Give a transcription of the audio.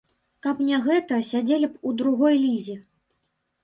Каб не гэта, сядзелі б у другой лізе!